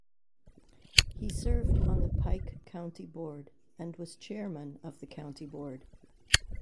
He served on the Pike County Board and was chairman of the county board.